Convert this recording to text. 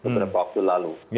beberapa waktu lalu